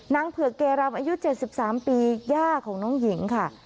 เผือกเกรำอายุ๗๓ปีย่าของน้องหญิงค่ะ